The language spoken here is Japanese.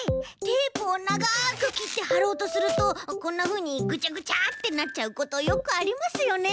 テープをながくきってはろうとするとこんなふうにぐちゃぐちゃってなっちゃうことよくありますよね。